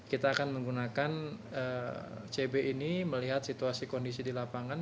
kita akan menggunakan cb ini melihat situasi kondisi di lapangan